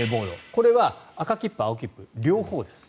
これは赤切符、青切符両方です。